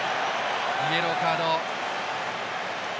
イエローカード。